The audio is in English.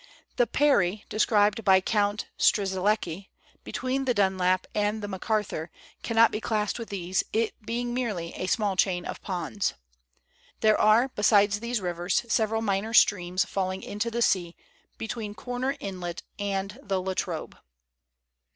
The Perry, described by Count Strzelecki, between the Dunlop and Macarthur, cannot be classed with these, it being merely a small chain of ponds. There are, besides these rivers, several minor streams falling into the sea, between Corner Inlet and the La Trobe.